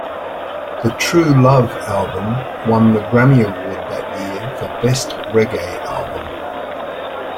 The True Love album won the Grammy Award that year for best reggae album.